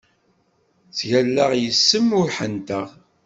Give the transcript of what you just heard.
Ttgallaɣ yis-m ur ḥenteɣ.